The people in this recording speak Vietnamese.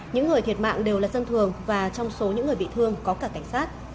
những người thiệt mạng đều là dân thường và trong số những người bị thương có cả cảnh sát